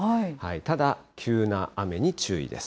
ただ、急な雨に注意です。